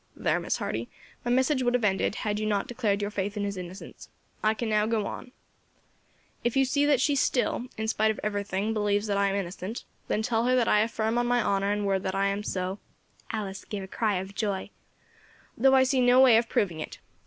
There, Miss Hardy, my message would have ended had you not declared your faith in his innocence; I can now go on: 'If you see that she still, in spite of everything, believes that I am innocent, then tell her that I affirm on my honour and word that I am so' Alice gave a cry of joy 'though I see no way of proving it.